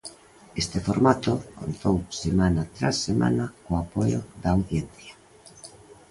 Este formato contou semana tras semana co apoio da audiencia.